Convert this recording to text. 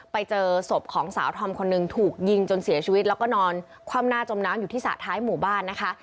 ไปเจอศพของสาวธอมคนหนึ่งถูกยิงจนเสียชีวิตแล้วก็นอนคว่ำหน้าจมน้ำอยู่ที่สระท้ายหมู่บ้านนะคะ